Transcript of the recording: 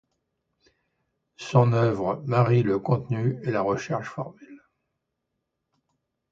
Son œuvre marie le contenu et la recherche formelle.